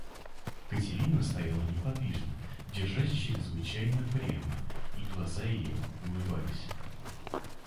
Каренина стояла неподвижно, держась чрезвычайно прямо, и глаза ее улыбались.